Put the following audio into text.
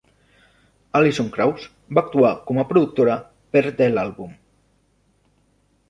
Alison Krauss va actuar com a productora per de l'àlbum.